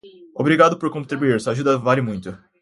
Obrigado por contribuir, sua ajuda vale muito.